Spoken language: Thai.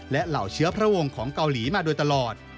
และเหล่าเชื้อพระวงศ์ของเกาหลีมาโดยตลอด